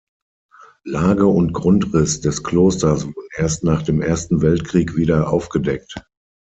Lage und Grundriss des Klosters wurden erst nach dem Ersten Weltkrieg wieder aufgedeckt.